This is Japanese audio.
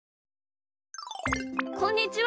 こんにちは！